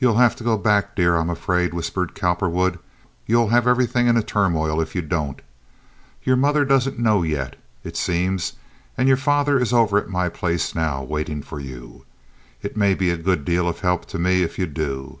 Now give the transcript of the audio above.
"You'll have to go back, dear, I'm afraid," whispered Cowperwood. "You'll have everything in a turmoil if you don't. Your mother doesn't know yet, it seems, and your father is over at my place now, waiting for you. It may be a good deal of help to me if you do.